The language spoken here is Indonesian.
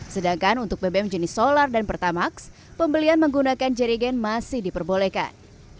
sedangkan untuk bbm jenis solar dan pertamax pembelian menggunakan jerigen masih diperbolehkan